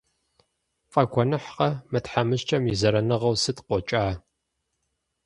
ПфӀэгуэныхькъэ, мы тхьэмыщкӀэм и зэраныгъэу сыт къокӀа?